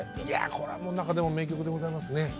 いやこれは中でも名曲でございますね。